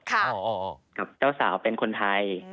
ออกกับเจ้าสาวเป็นคนไทย